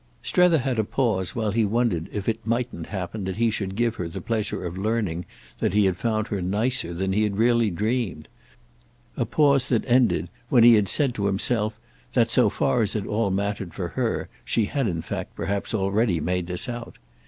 Strether had a pause while he wondered if it mightn't happen that he should give her the pleasure of learning that he found her nicer than he had really dreamed—a pause that ended when he had said to himself that, so far as it at all mattered for her, she had in fact perhaps already made this out.